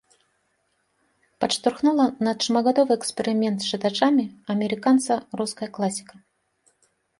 Падштурхнула на шматгадовы эксперымент з чытачамі амерыканца руская класіка.